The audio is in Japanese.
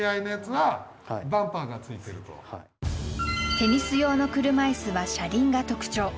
テニス用の車いすは車輪が特徴。